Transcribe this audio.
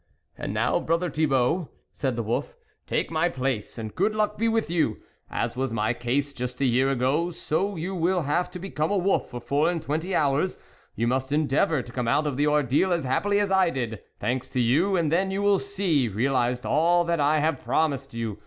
" And now, brother Thibault," said the wolf, " take my place, and good luck be with you ! As was my case just a year ago, so you will have to become a wolf for four and twenty hours ; you must endeavour to come out of the ordeal as happily as I did, thanks to you, and then you will see realised all that I have promised you.